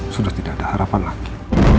sudah tidak ada harapan lagi